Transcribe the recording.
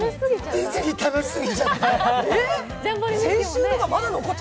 ディズニー、楽しすぎちゃって。